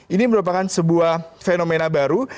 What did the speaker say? ini merupakan sebuah fenomena baru